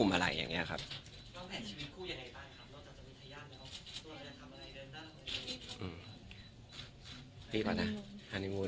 แล้วแผนชีวิตคู่ยังไงบ้างครับนอกจากจะมีไทย่านแล้วตัวเราจะทำอะไรเดินหน้าของพี่ครับ